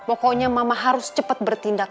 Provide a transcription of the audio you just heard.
pokoknya mama harus cepat bertindak